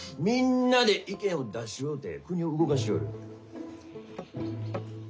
みんなで意見を出し合うて国を動かしよる。